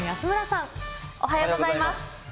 おはようございます。